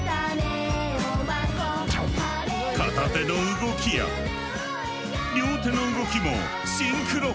片手の動きや両手の動きもシンクロ！